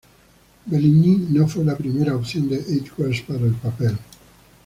Benigni no fue la primera opción de Edwards para el papel.